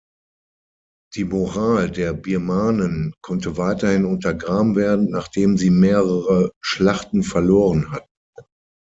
Die Moral der Birmanen konnte weiterhin untergraben werden, nachdem sie mehrere Schlachten verloren hatten.